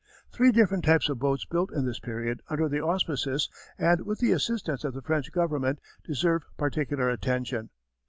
Three different types of boats built in this period under the auspices and with the assistance of the French Government deserve particular attention.